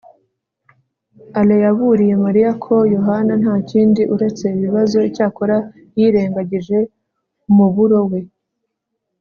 alain yaburiye mariya ko yohana nta kindi uretse ibibazo. icyakora, yirengagije umuburo we